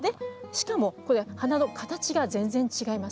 しかもこれ花の形が全然違います。